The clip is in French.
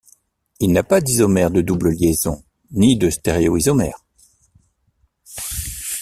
Il n'a pas d'isomères de double liaison, ni de stéréoisomères.